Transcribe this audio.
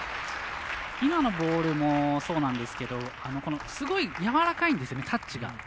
今のボールもそうなんですけどすごいやわらかいんですよね、タッチが。